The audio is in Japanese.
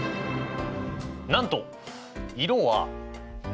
なんと色は７種類。